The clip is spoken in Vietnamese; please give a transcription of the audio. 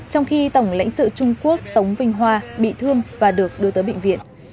trong khi tổng lãnh sự trung quốc tống vinh hoa bị thương và được đưa tới bệnh viện